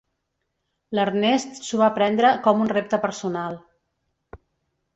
L'Ernest s'ho va prendre com un repte personal.